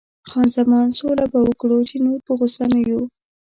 خان زمان: سوله به وکړو، چې نور په غوسه نه یو.